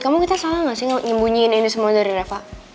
gak salah gak sih ngebunyiin ini semua dari reva